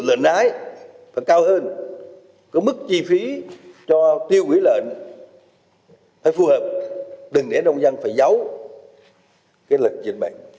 lợn ái phải cao hơn có mức chi phí cho tiêu ủy lợn phải phù hợp đừng để nông dân phải giấu lực dịch bệnh